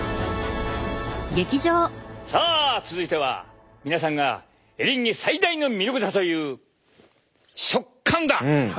さあ続いては皆さんがエリンギ最大の魅力だという食感だ！